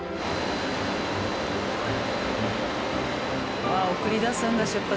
うわ送り出すんだ出発